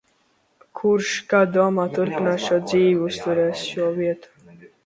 Kurš, kā tu domā, turpinās šo dzīvi, uzturēs šo vietu?